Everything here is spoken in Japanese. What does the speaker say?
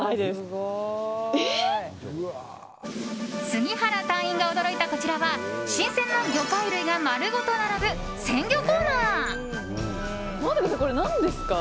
杉原隊員が驚いたこちらは新鮮な魚介類が丸ごと並ぶ鮮魚コーナー。